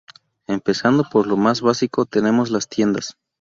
Empezando por lo más básico, tenemos las tiendas.